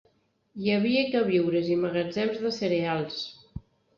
Hi havia queviures i magatzems de cereals.